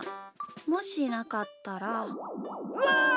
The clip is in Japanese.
もしなかったら。わ！